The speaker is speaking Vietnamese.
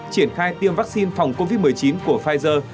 triển khai tiêm vắc xin phòng covid một mươi chín của pfizer